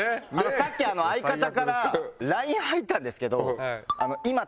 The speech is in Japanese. さっき相方からＬＩＮＥ入ったんですけど。